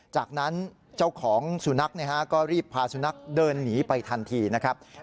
จากนั้นเจ้าของสุนัขก็รีบพาสุนัขเดินหนีไปทันทีนะครับ